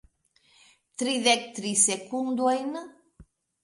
... tridek tri sekundojn